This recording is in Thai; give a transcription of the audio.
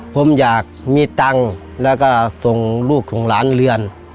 ผมอยากมีตังค์แล้วก็ส่งลูกส่งหลานเรียน